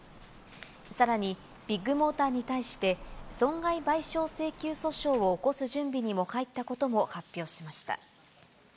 さらにビッグモーターに対して、損害賠償請求訴訟を起こす準備に入ったことも発表しました。